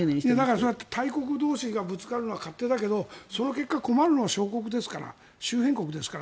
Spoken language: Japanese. そうやって大国同士がぶつかるのは勝手だけどその結果、困るのは小国ですから周辺国ですから。